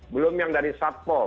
belum yang dari sapo